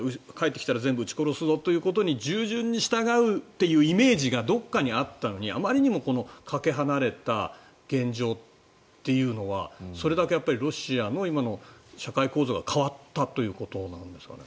帰ってきたら全部打ち殺すぞということに従順に従うイメージがあったのにあまりにもかけ離れた現状というのはそれだけロシアの今の社会構造が変わったということなんですか。